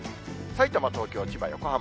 さいたま、東京、千葉、横浜。